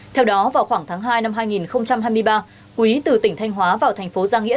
theo đó vào khoảng tháng hai năm hai nghìn hai mươi ba quý từ tỉnh thanh hóa vào thành phố giang nghĩa